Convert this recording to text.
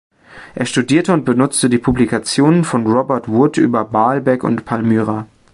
Er studierte und benutzte die Publikationen von Robert Wood über Baalbek und Palmyra.